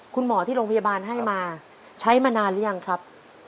คุณหมอที่โรงพยาบาลให้มาใช้มานานหรือยังครับ